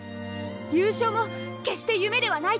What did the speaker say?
優勝も決して夢ではないと！